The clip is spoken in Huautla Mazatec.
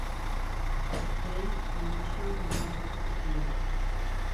¿A jee tinixángui jno?